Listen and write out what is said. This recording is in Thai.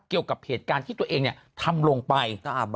เกี่ยวกับเหตุการณ์ที่ตัวเองทำลงไป